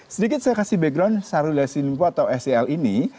sedikit saya kasih background syahrul yassin limpo atau sel ini